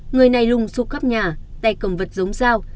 người này rung xúc khắp nhà đầy cầm vật giống dao